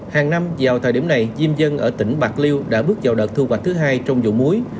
hàng năm vào thời điểm này diêm dân ở tỉnh bạc liêu đã bước vào đợt thu hoạch thứ hai trong vụ muối